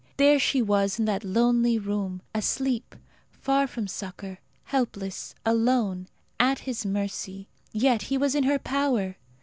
There she was in that lonely room asleep, far from succour, helpless, alone, at his mercy; yet he was in her power!